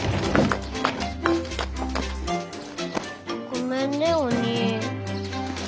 ごめんねおにぃ。